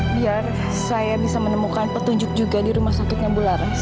biar saya bisa menemukan petunjuk juga di rumah sakitnya bular